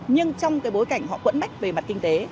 nhưng trong cái bối cảnh họ quẫn bách về mặt kinh tế